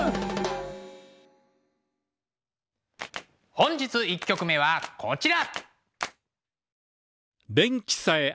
本日１曲目はこちら。